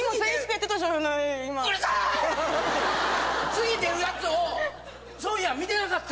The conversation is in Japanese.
次出るやつをそういえば見てなかったんよ。